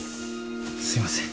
すいません。